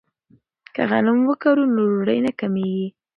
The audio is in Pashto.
که غنم وکرو نو ډوډۍ نه کمیږي.